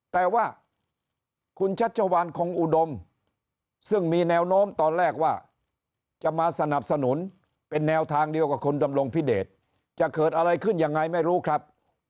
แต่ว่าคุณชัชวาลคงอุดมซึ่งมีแนวโน้มตอนแรกว่าจะมาสนับสนุนเป็นแนวทางเดียวกับคุณดำรงพิเดต